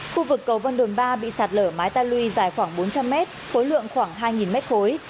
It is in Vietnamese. khu vực cầu vân đồn ba bị sạt lở mái ta lùi dài khoảng bốn trăm linh mét khối lượng khoảng hai mét khối